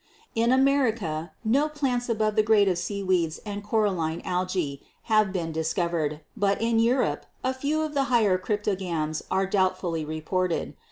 "In America no plants above the grade of seaweeds and coralline Algae have been discovered, but in Europe a few of the higher Cryptogams are doubtfully reported.